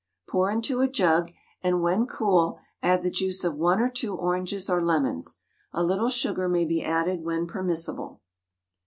Pour into a jug, and when cool add the juice of 1 or 2 oranges or lemons. A little sugar may be added when permissible.